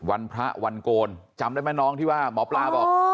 วันพระวันโกนจำได้ไหมน้องที่ว่าหมอปลาบอก